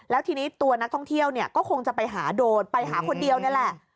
แล้วทีนี้ตัวนักท่องเที่ยวเนี่ยก็คงจะไปหาโดรนไปหาคนเดียวนี่แหละ